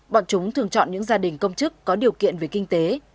bọn chúng thường chọn những gia đình công chức có điều kiện về kinh tế